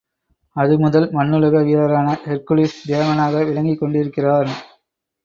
அது முதல் மண்ணுலக வீரனான ஹெர்க்குலிஸ் தேவனாக விளங்கிக்கொண்டிருக்கிறான்.